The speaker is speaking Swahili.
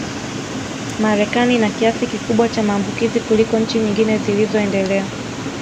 Marekani ina kiasi kikubwa cha maambukizi kuliko nchi nyingine zilizoendelea